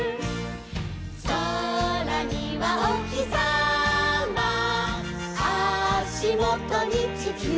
「そらにはおひさま」「あしもとにちきゅう」